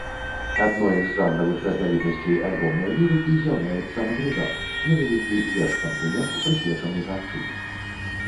Адной з жанравых разнавіднасцей альбомнай лірыкі з'яўляецца мадрыгал, невялікі верш-камплімент, прысвечаны жанчыне.